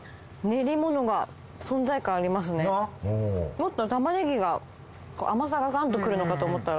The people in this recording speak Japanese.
もっと玉ねぎが甘さがガン！とくるのかと思ったら。